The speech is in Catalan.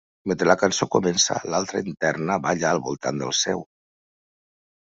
Mentre la cançó comença, l'altra interna balla al voltant del seu.